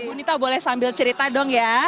bu nita boleh sambil cerita dong ya